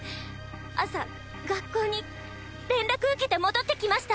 朝学校に連絡受けて戻ってきました。